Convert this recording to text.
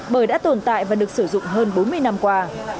bởi đã tồn tại và được sử dụng hơn bốn mươi năm qua